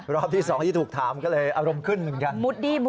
รัฐมนตรีว่าการกระทรวงยุติธรรม